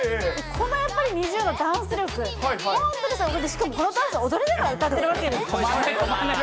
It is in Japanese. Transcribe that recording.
このやっぱり、ＮｉｚｉＵのダンス力、このダンス、踊りながら歌ってるわけですよ。